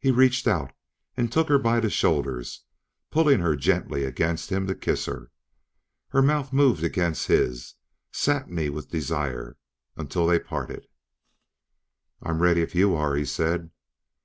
He reached out and took her by the shoulders, pulling her gently against him to kiss her. Her mouth moved against his, satiny with desire, until they parted. "I'm ready, if you are," he said.